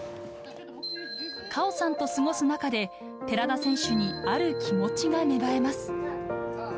果緒さんと過ごす中で、寺田選手にある気持ちが芽生えます。